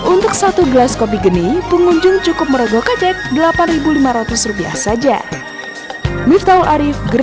untuk satu gelas kopi geni pengunjung cukup merogoh kocek rp delapan lima ratus saja